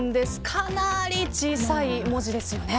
かなり小さい文字ですよね。